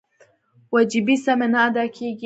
وجیبې سمې نه ادا کېږي.